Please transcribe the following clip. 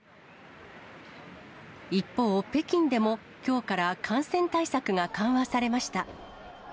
一方、北京でもきょうから感染対策が緩和されました。